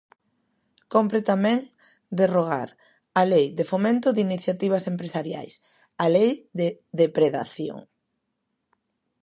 Cómpre tamén derrogar a Lei de fomento de iniciativas empresariais, a lei de depredación.